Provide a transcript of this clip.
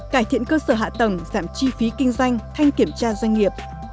cải thiện cơ sở hạ tầng giảm chi phí kinh doanh thanh kiểm tra doanh nghiệp